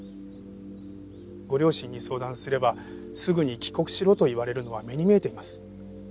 ご両親に相談すればすぐに帰国しろと言われるのは目に見えています。